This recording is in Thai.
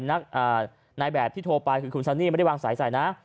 นายแบบที่โทรไปคือคุณซันนี่ไม่ได้วางสายใส่นะ